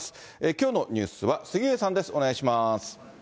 きょうのニュースは杉上さんです、お願いします。